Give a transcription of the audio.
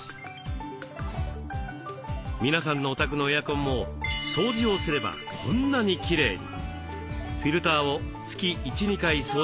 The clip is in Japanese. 皆さんのお宅のエアコンも掃除をすればこんなにきれいに。